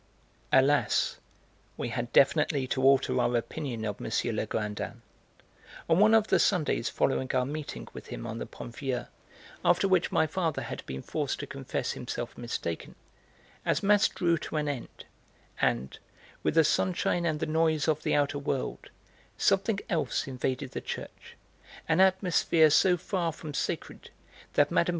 Alas! we had definitely to alter our opinion of M. Legrandin. On one of the Sundays following our meeting with him on the Pont Vieux, after which my father had been forced to confess himself mistaken, as mass drew to an end, and, with the sunshine and the noise of the outer world, something else invaded the church, an atmosphere so far from sacred that Mme.